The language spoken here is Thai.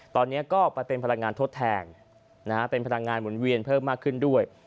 ตอนนี้ก็ไปเป็นพลังงานทดแทนเป็นพลังงานหมุนเวียนเพิ่มมากขึ้นด้วย